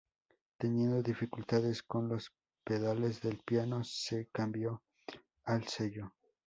Teniendo dificultades con los pedales del piano, se cambió al cello.